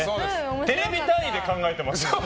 テレビ単位で考えていますから。